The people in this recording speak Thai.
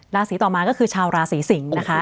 ราศีต่อมาก็คือชาวราศีสิงศ์นะคะ